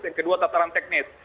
yang kedua tataran teknis